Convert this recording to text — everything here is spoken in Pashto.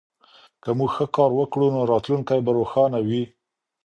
که موږ ښه کار وکړو نو راتلونکی به روښانه وي.